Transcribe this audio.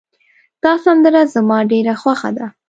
دا سندره زما ډېره خوښه ده